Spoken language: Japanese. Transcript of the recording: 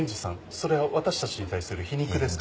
それは私たちに対する皮肉ですか？